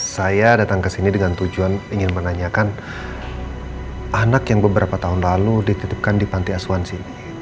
saya datang ke sini dengan tujuan ingin menanyakan anak yang beberapa tahun lalu dititipkan di panti asuhan